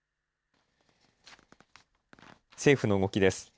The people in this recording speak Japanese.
政府の動きです。